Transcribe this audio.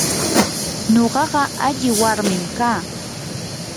nuqaqa alli warmim kaa.